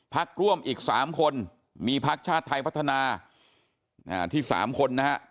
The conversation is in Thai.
พักร่วมอีก๓คนมีพักชาติไทยพัฒนาที่๓คนนะฮะ